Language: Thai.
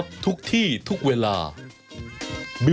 จริงหรือไม่ฮะ